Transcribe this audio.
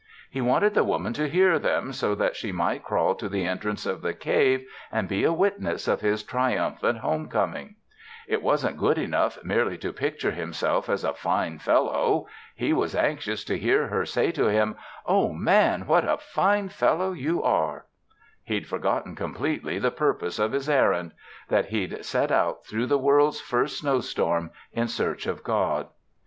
He wanted the Woman to hear them, so that she might crawl to the entrance of the cave and be a witness of his triumphant home coming. It wasn't good enough merely to picture himself as a fine fellow. He was anxious to hear her say to him, "Oh, Man, what a fine fellow you are!" He'd forgotten completely the purpose of his errand that he'd set out through the world's first snowstorm in search of God.